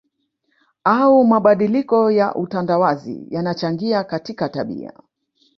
au mabadiliko ya utandawazi yanachangia katika tabia